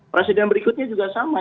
presiden berikutnya juga sama